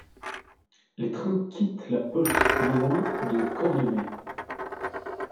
Les trains quittent la poche non loin de Cordemais.